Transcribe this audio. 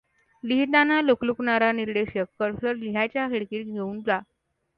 लिहिताना लुकलुकणारा निर्देशक कर्सर लिहायच्या खिडकीत घेऊन जा.